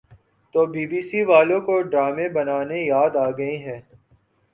تو B B C والوں کو ڈرامے بنانا یاد آگئے ہیں